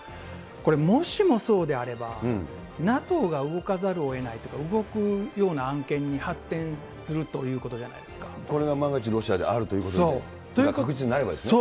これもしもそうであれば、ＮＡＴＯが動かざるをえないというか、動くような案件に発展するこれが万が一、ロシアによるものであればということですよね。